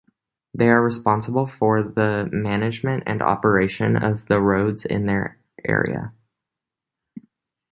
They are responsible for the management and operation of the roads in their area.